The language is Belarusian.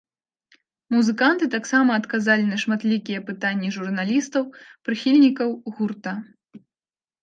Музыканты таксама адказалі на шматлікія пытанні журналістаў, прыхільнікаў гурта.